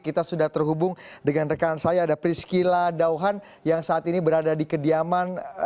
kita sudah terhubung dengan rekan saya ada priscila dauhan yang saat ini berada di kediaman